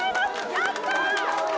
やったー！